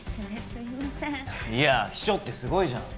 いや秘書ってすごいじゃん。